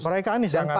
mereka ini sangat serius